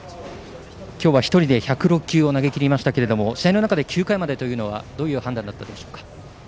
今日は１人で１０６球を投げ切りましたけども試合の中で９回までというのはどういう判断でしたか。